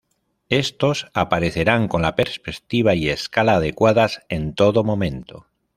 Estos aparecerán con la perspectiva y escala adecuadas en todo momento.